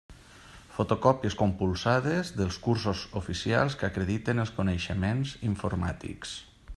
Fotocòpies compulsades dels cursos oficials que acrediten els coneixements informàtics.